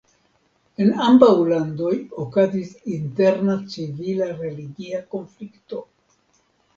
En ambaŭ landoj okazis interna civila religia konflikto.